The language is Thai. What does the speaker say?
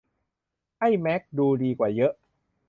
ไอ้แม็กดูดีกว่าเยอะ